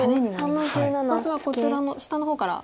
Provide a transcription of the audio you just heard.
まずはこちらの下の方から。